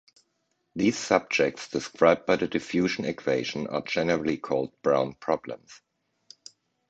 These subjects described by the diffusion equation are generally called Brown problems.